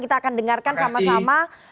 kita akan dengarkan sama sama